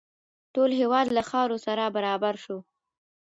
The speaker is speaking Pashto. ټول هېواد له خاورو سره برابر شو.